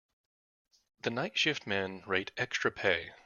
The night shift men rate extra pay.